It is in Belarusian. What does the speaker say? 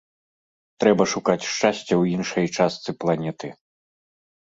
Трэба шукаць шчасця ў іншай частцы планеты.